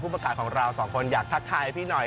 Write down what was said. ประกาศของเราสองคนอยากทักทายพี่หน่อย